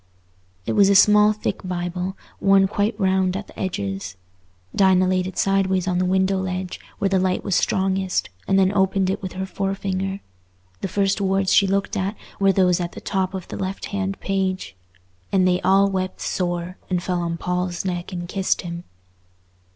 It was a small thick Bible, worn quite round at the edges. Dinah laid it sideways on the window ledge, where the light was strongest, and then opened it with her forefinger. The first words she looked at were those at the top of the left hand page: "And they all wept sore, and fell on Paul's neck and kissed him."